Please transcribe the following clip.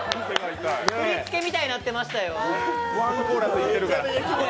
振り付けみたいになってましたよ。